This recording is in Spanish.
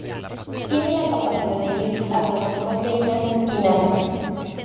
Tiene la capacidad de inhibir algunas proteínas quinasas.